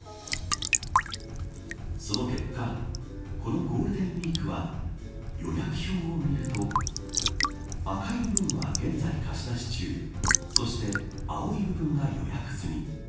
その結果このゴールデンウイークは予約表を見ると赤い部分は現在、貸し出し中そして、青い部分が予約済み。